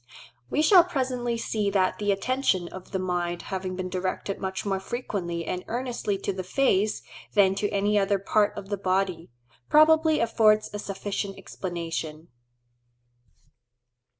We shall presently see that the attention of the mind having been directed much more frequently and earnestly to the face than to any other part of the body, probably affords a sufficient explanation.